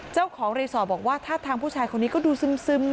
เจ้าของรีสอร์ทบอกว่าท่าทางผู้ชายคนนี้ก็ดูซึม